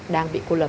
đang bị cô lập